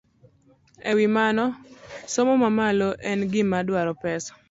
E wi mano, somo mamalo en gima dwaro pesa.